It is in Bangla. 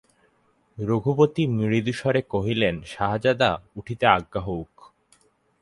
রঘুপতি মৃদুস্বরে কহিলেন, শাহাজাদা, উঠিতে আজ্ঞা হউক।